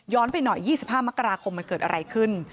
ไปหน่อย๒๕มกราคมมันเกิดอะไรขึ้น